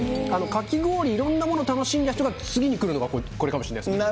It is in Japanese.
かき氷、いろんなものを楽しんだ人が、次に来るのがこれかもしれないです。